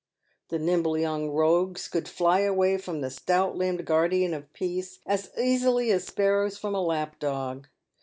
The nimble young rogues could fly away from the stout limbed guardian of peace as easily as sparrows from a lap dog.